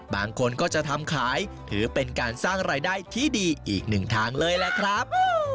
บางคนก็จะทำขายถือเป็นการสร้างรายได้ที่ดีอีกหนึ่งทางเลยแหละครับ